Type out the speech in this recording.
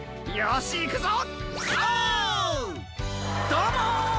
どうも！